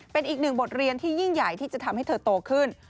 เป็นอีกหนึ่งบทเรียนที่ยิ่งใหญ่ที่จะทำให้เธอโตขึ้น